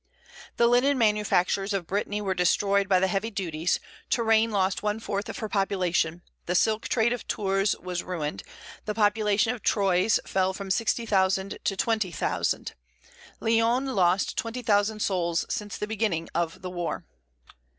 The linen manufactures of Brittany were destroyed by the heavy duties; Touraine lost one fourth of her population; the silk trade of Tours was ruined; the population of Troyes fell from sixty thousand to twenty thousand; Lyons lost twenty thousand souls since the beginning of the war."